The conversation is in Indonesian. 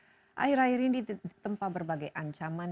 kebinekaan akhir akhir ini ditempa berbagai ancaman